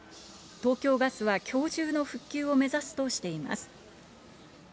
東京ガスはきょう中の復旧を目指すとしています。